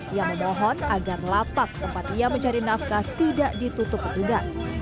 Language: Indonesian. ia memohon agar lapak tempat ia mencari nafkah tidak ditutup petugas